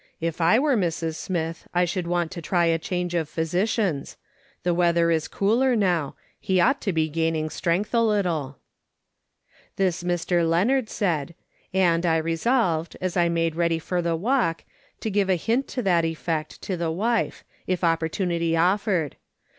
If I were Mrs. Smith I should want to try a change of physicians. The weather is cooler now ; he ought to be gaining strength a little." This Mr. Leonard said, and I resolved, as I made ready for the walk, to give a hint to that effect to the wife, if opportunity offered.